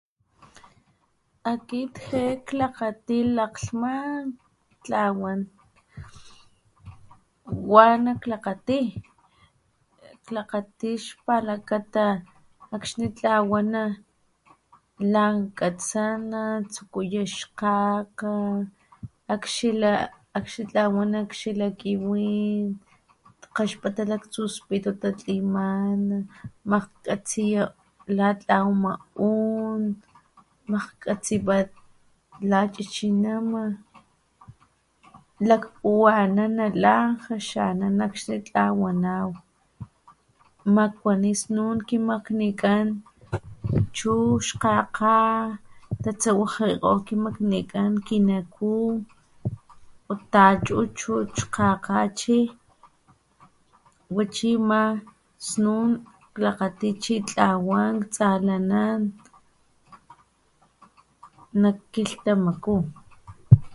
Akit jé klakgati lakglhman ktlawan wana klakgati, klakgati xpalakata akxni tlawana lan katsana tsukuyu xkgakga akxni tlawana akxika kiwin kgaxpata laktsu spitu tatlimana makglhkatsiya la tlawama un, makglhkatsipat lachichinama lakpuwanana lan jaxanana akxni tlawanaw makuani snun kimaknikan chu xkgakga tatsawajiko kimaknikan kinaku kgota chcuchut xkgakga chi wa chi ma snun klakgati chi tlawan ktsalana nak kilhtamaku